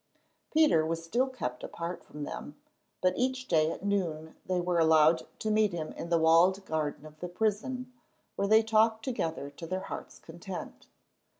Peter was still kept apart from them, but each day at noon they were allowed to meet him in the walled garden of the prison, where they talked together to their heart's content.